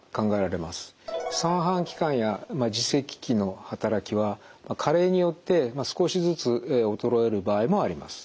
三半規管や耳石器の働きは加齢によって少しずつ衰える場合もあります。